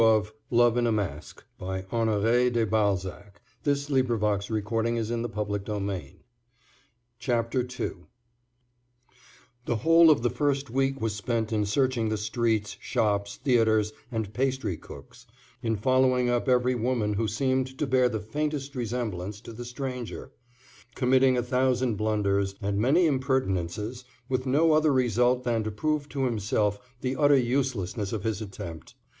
But there was no sleep for Léon that night. At an early hour he rose and began at once his search. II The whole of the first week was spent in searching the streets, shops, theaters, and pastry cooks'; in following up every woman who seemed to bear the faintest resemblance to the stranger; committing a thousand blunders, and many impertinences, with no other result than to prove to himself the utter uselessness of his attempt.